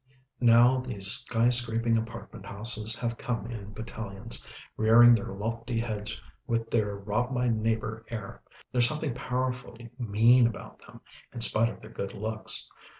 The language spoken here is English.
Now these sky scraping apartment houses have come in battalions, rearing their lofty heads with their rob my neighbour air. There's something powerfully mean about them, in spite of their good looks.